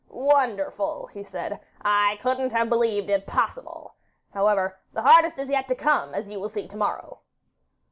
'Wonderful,' said he; 'I couldn't have believed it possible. However, the hardest is yet to come, as you will see to morrow.